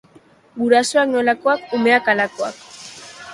Gurasoak nolakoak, umeak halakoak.